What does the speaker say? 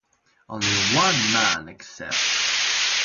Only one man except.